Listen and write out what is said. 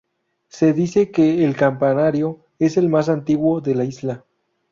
Se dice que el campanario es el más antiguo de la isla.